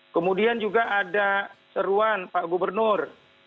kemudian juga ada seruan pak gubernur